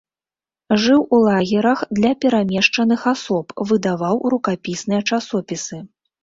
Жыў у лагерах для перамешчаных асоб, выдаваў рукапісныя часопісы.